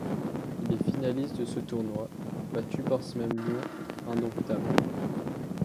Il est finaliste de ce tournoi, battu par ces mêmes Lions indomptables.